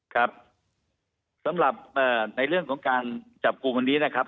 ครับสำหรับในเรื่องของการจับกลุ่มวันนี้นะครับ